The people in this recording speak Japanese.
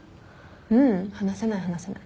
ううん話せない話せない。